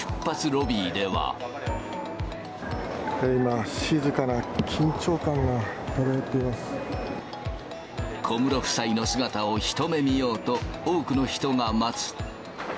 今、静かな緊張感が漂ってい小室夫妻の姿を一目見ようと、多くの人が待つ。